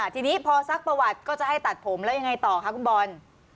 ทีนี้พอซักประวัติก็จะให้ตัดผมแล้วยังไงต่อคะคุณบอล